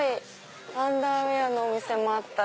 アンダーウエアのお店もあったり。